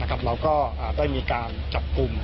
เราก็ได้มีการจับกลุ่ม